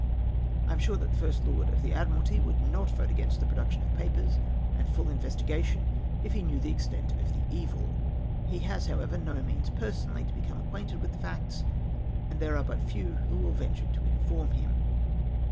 I am sure that the First Lord of the Admiralty would not vote against the production of papers and full investigation, if he knew the extent of the evil. He has, however, no means personally to become ac quainted Avith the facts, and there are but few who will venture to inform him."